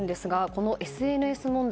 このＳＮＳ問題